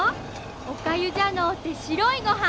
おかゆじゃのうて白いごはん。